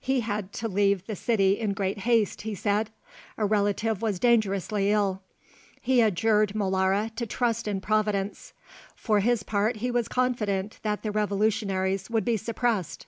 He had to leave the city in great haste, he said; a relative was dangerously ill. He adjured Molara to trust in Providence; for his part he was confident that the Revolutionaries would be suppressed.